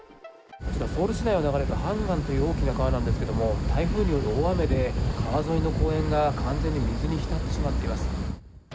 こちら、ソウル市内を流れるハンガンという大きな川なんですけれども、台風による大雨で、川沿いの公園が完全に水に浸ってしまっています。